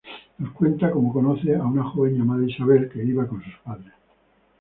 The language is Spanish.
Nos cuenta cómo conoce a una joven llamada Isabel que iba con sus padres.